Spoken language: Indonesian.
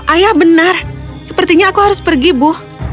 ayah benar sepertinya aku harus pergi bu